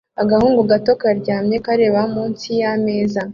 Agahungu gato karyamye kareba munsi yameza